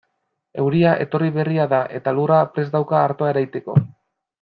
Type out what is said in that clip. Euria etorri berria da eta lurra prest dauka artoa ereiteko.